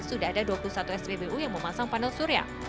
sudah ada dua puluh satu spbu yang memasang panel surya